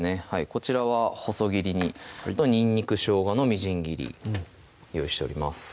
こちらは細切りにあとにんにく・しょうがのみじん切り用意しております